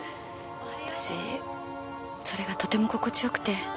私それがとても心地よくて。